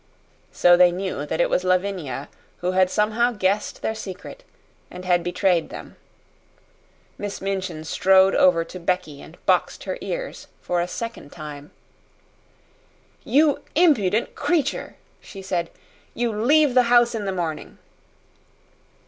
So they knew that it was Lavinia who had somehow guessed their secret and had betrayed them. Miss Minchin strode over to Becky and boxed her ears for a second time. "You impudent creature!" she said. "You leave the house in the morning!"